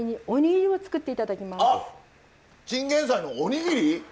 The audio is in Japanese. チンゲンサイのおにぎり？